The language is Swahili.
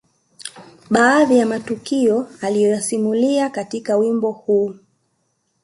Baadhi ya matukio aliyoyasimulia katika wimbo huo